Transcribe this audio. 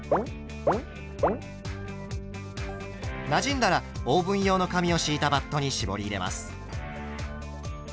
なじんだらオーブン用の紙を敷いたバットに絞り入れます。